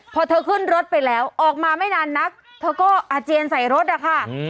พอเธอขึ้นรถไปแล้วออกมาไม่นานนักเธอก็อาเจียนใส่รถอะค่ะ